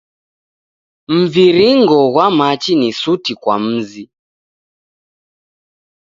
Mviringo ghwa machi ni suti kwa mzi.